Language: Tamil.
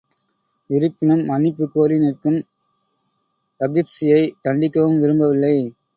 இருப்பினும் மன்னிப்புக் கோரி நிற்கும் வஹ்ஷியைத் தண்டிக்கவும் விரும்பவில்லை.